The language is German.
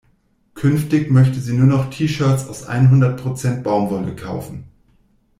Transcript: Künftig möchte sie nur noch T-Shirts aus einhundert Prozent Baumwolle kaufen.